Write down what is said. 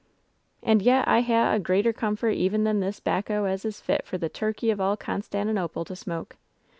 "And yet I ha' a greater comfort even than this 'bacco as is fit for the Turkey of All Constantinople to smoke.